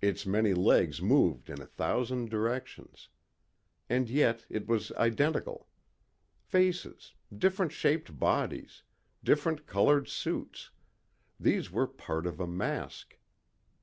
Its many legs moved in a thousand directions. And yet it was identical. Faces, different shaped bodies, different colored suits these were part of a mask.